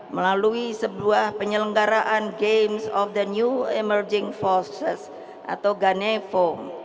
melalui sebuah penyelenggaraan games of the new emerging forces atau ganevo